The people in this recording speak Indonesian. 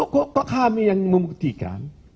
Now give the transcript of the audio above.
kok pak kami yang membuktikan